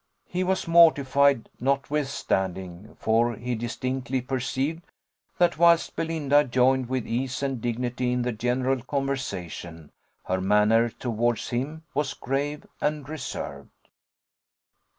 He was mortified, notwithstanding; for he distinctly perceived, that whilst Belinda joined with ease and dignity in the general conversation, her manner towards him was grave and reserved.